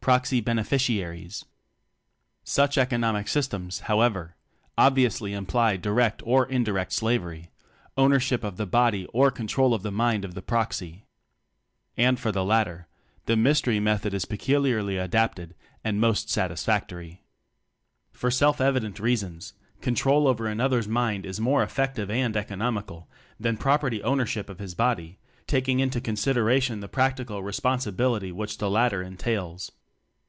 Proxy Beneficiaries. Such economic systems, however, obviously imply direct or indirect slavery ownership of the body or control of the mind of the proxy. And for the latter the mystery method is peculiarly adapted and most satisfac tory. For self evident reasons, control over another's mind is more effective and economical than property owner ship of his body, taking into con sideration the practical responsibility which the latter entails.